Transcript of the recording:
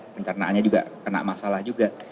pencernaannya juga kena masalah juga